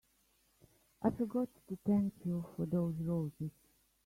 I forgot to thank you for those roses.